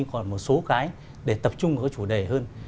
còn một số cái để tập trung vào các chủ đề hơn